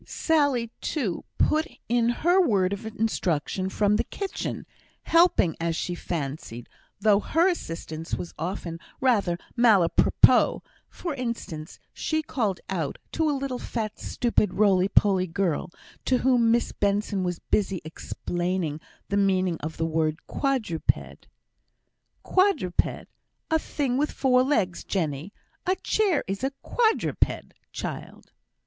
Sally, too, put in her word of instruction from the kitchen, helping, as she fancied, though her assistance was often rather malapropos; for instance, she called out, to a little fat, stupid, roly poly girl, to whom Miss Benson was busy explaining the meaning of the word quadruped, "Quadruped, a thing wi' four legs, Jenny; a chair is a quadruped, child!"